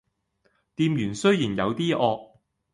店員雖然有啲惡